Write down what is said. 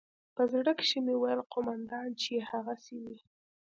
په زړه کښې مې وويل قومندان چې يې هغسې وي.